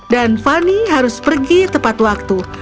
dan fanny harus pergi tepat waktu